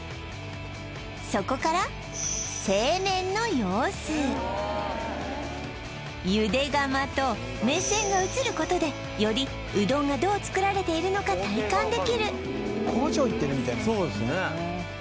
そこから製麺の様子茹で釜と目線が移ることでよりうどんがどう作られているのか体感できるそうですね